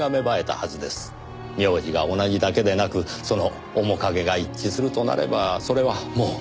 名字が同じだけでなくその面影が一致するとなればそれはもう。